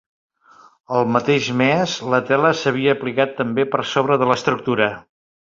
Al mateix mes, la tela s'havia aplicat també per sobre de l'estructura.